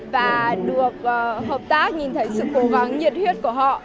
và được hợp tác nhìn thấy sự cố gắng nhiệt huyết của họ